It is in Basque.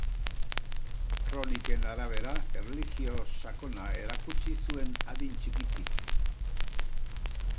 Kroniken arabera, erlijio sakona erakutsi zuen adin txikitik.